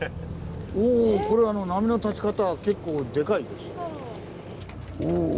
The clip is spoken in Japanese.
おこれ波の立ち方結構デカいですよ。